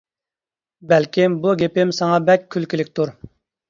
بەلكىم بۇ گېپىم ساڭا بەك كۈلكىلىكتۇر.